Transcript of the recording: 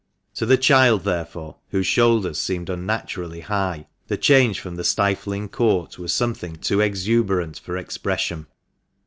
To the child, therefore, whose shoulders seemed unnaturally high, the change from the stifling court was something too exuberant for expression.